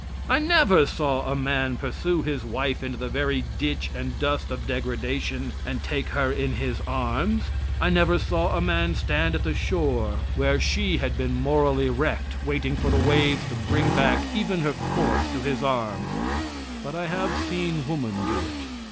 I never saw a man pursue his wife into the very ditch and dust of degradation and take her in his arms. I never saw a man stand at the shore where she had been morally wrecked, waiting for the waves to bring back even her corpse to his arms but I have seen woman do it.